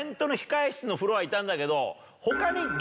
いたんだけど。